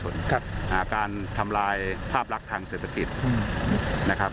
นะครับ